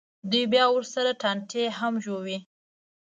دوی بیا ورسره ټانټې هم ژووي.